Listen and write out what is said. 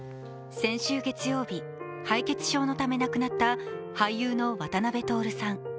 先週月曜日、敗血症のため亡くなった俳優の渡辺徹さん。